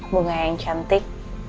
bunga yang cantik